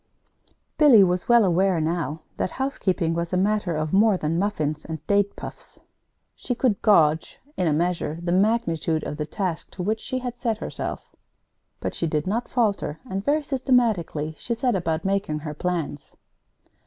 Billy was well aware now that housekeeping was a matter of more than muffins and date puffs. She could gauge, in a measure, the magnitude of the task to which she had set herself. But she did not falter; and very systematically she set about making her plans.